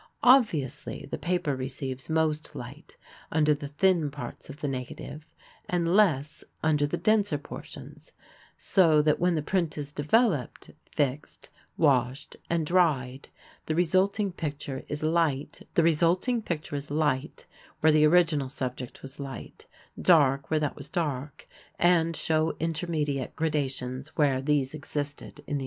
Obviously, the paper receives most light under the thin parts of the negative and less under the denser portions, so that when the print is developed, fixed, washed and dried the resulting picture is light where the original subject was light, dark where that was dark, and show intermediate gradations where these existed in the original.